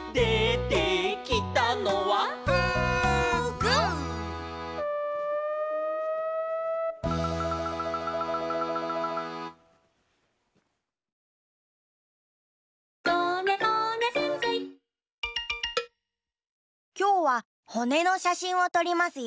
「ふぐ」きょうはほねのしゃしんをとりますよ。